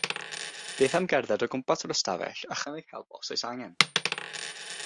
Beth am gerdded o gwmpas yr ystafell a chynnig help os oes angen?